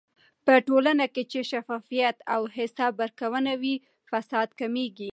په ټولنه کې چې شفافيت او حساب ورکونه وي، فساد کمېږي.